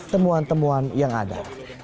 temuan temuan yang ada